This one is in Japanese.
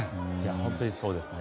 本当にそうですね。